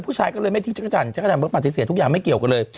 ผู้ชายก็เลยไม่ทิ้งจักรจันทจักรจันทร์ปฏิเสธทุกอย่างไม่เกี่ยวกันเลย